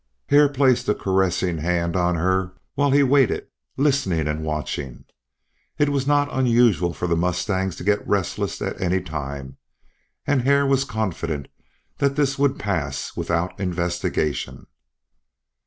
Hare placed a caressing hand on her while he waited listening and watching. It was not unusual for the mustangs to get restless at any time, and Hare was confident that this would pass without investigation.